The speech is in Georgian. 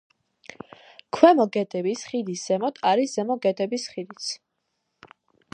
ქვემო გედების ხიდის ზემოთ არის ზემო გედების ხიდიც.